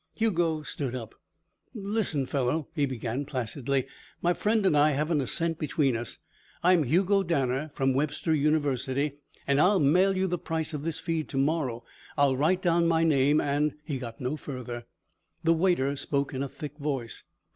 Hugo stood up. "Listen, fellow," he began placidly, "my friend and I haven't a cent between us. I'm Hugo Danner, from Webster University, and I'll mail you the price of this feed to morrow. I'll write down my name and " He got no further. The waiter spoke in a thick voice.